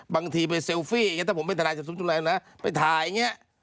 บางทีไปเซลฟี่ก็จะเป็นไปถ่าย